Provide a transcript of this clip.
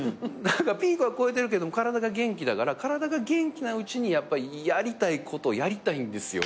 ピークは越えてるけど体が元気だから体が元気なうちにやりたいことをやりたいんですよ。